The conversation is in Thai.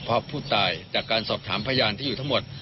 เพราะผู้ตายจากการสอบถามพยานที่อยู่ทั้งหมด